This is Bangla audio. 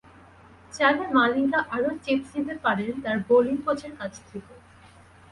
চাইলে মালিঙ্গা আরও টিপস নিতে পারেন তাঁর বোলিং কোচের কাছ থেকে।